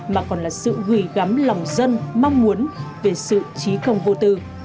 mà còn là sự hủy gắm lòng dân mong muốn về sự trí công vô tư